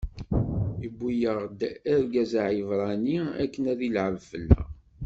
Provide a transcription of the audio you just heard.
iwwi-yaɣ-d argaz Aɛibṛani akken ad ilɛeb fell-aɣ.